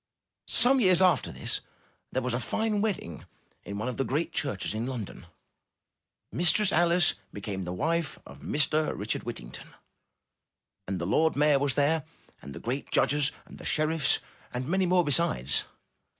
Some years after this, there was a fine wedding at one of the great churches in London. Mistress Alice became the wife of Mr. Richard Whittington. And the lord mayor was there, and the great judges, and the sheriffs, and many more besides.